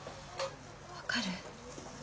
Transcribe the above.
分かる？